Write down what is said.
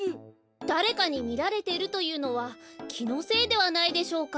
だれかにみられてるというのはきのせいではないでしょうか？